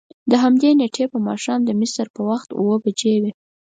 دهمدې نېټې په ماښام چې د مصر په وخت اوه بجې وې.